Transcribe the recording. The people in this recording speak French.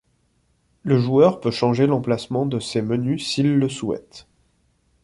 Le joueur peut changer l'emplacement de ces menus s'il le souhaite.